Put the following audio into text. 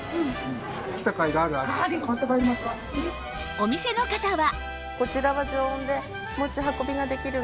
お店の方は